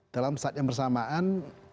dalam saat yang bersamaan